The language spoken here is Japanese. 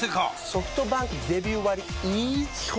ソフトバンクデビュー割イズ基本